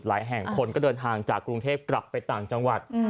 แห่งคนก็เดินทางจากกรุงเทพกลับไปต่างจังหวัด